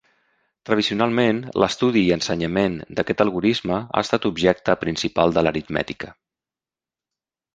Tradicionalment l'estudi i ensenyament d'aquest algorisme ha estat l'objecte principal de l'aritmètica.